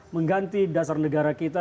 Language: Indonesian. mengganti dasar negara kita